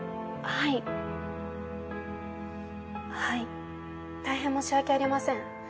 はいたいへん申し訳ありません。